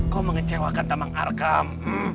kau mengecewakan tamang arkam